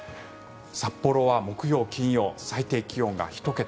札幌は木曜、金曜最低気温が１桁。